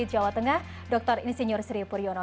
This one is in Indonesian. jawa tengah dr insinyur sri puryono